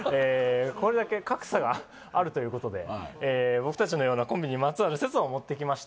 これだけ格差があるということで僕たちのようなコンビにまつわる説を持ってきました